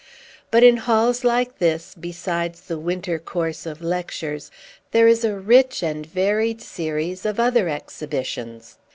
But, in halls like this, besides the winter course of lectures, there is a rich and varied series of other exhibitions.